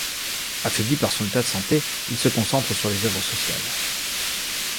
Affaibli par son état de santé, il se concentre sur les œuvres sociales.